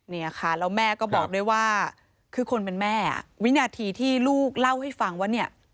เนี่ยค่ะแล้วแม่ก็บอกด้วยว่าคือคนเป็นแม่วินาทีที่ลูกเล่าให้ฟังว่าเนี่ย